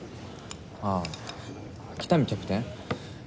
ああ喜多見キャプテン。